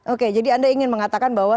oke jadi anda ingin mengatakan bahwa